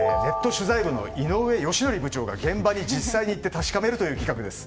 取材部の井上部長が現場に実際に行って確かめるというコーナーです。